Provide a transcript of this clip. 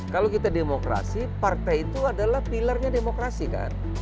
kalau kita demokrasi partai itu adalah pilarnya demokrasi kan